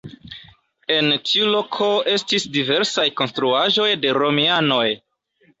En tiu loko estis diversaj konstruaĵoj de romianoj.